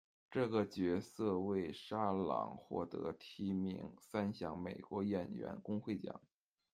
这个角色为沙朗获得提名三项美国演员工会奖。